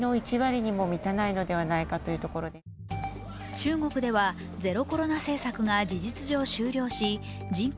中国ではゼロコロナ政策が事実上終了し人口